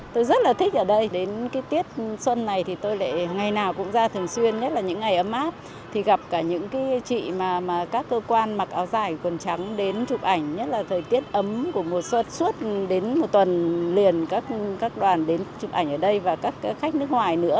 tôi rất là thích ở đây đến cái tiết xuân này thì tôi lại ngày nào cũng ra thường xuyên nhất là những ngày ấm áp thì gặp cả những cái chị mà các cơ quan mặc áo dài quần trắng đến chụp ảnh nhất là thời tiết ấm của mùa xuân suốt đến một tuần liền các đoàn đến chụp ảnh ở đây và các khách nước ngoài nữa